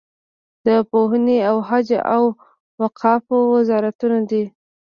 د پوهنې او حج او اوقافو وزارتونه دي.